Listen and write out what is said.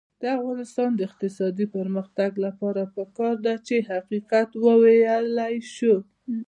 د افغانستان د اقتصادي پرمختګ لپاره پکار ده چې حقیقت وویلی شو.